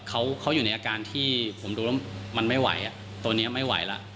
เขาอยู่ในอาการที่ผมดูแล้วมันไม่ไหวอ่ะตัวนี้ไม่ไหวแล้ว